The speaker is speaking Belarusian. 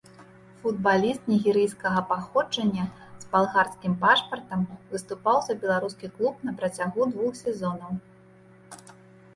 Футбаліст нігерыйскага паходжання з балгарскім пашпартам выступаў за беларускі клуб на працягу двух сезонаў.